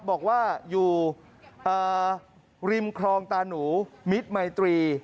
บอกว่าอยู่ริมครองตานูมิดไหมตรี